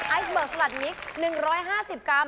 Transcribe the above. ไอซ์เบิกสลัดมิก๑๕๐กรัม